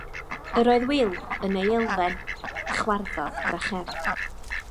Yr oedd Wil yn ei elfen, chwarddodd drachefn.